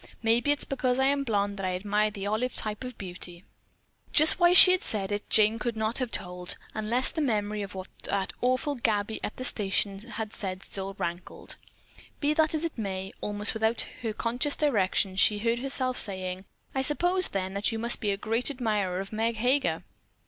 Maybe it's because I am a blonde that I admire the olive type of beauty." Just why she said it Jane could not have told, unless the memory of what that awful Gabby at the station had said still rankled. Be that as it may, almost without her conscious direction she heard herself saying: "I suppose, then, that you must be a great admirer of Meg Heger?"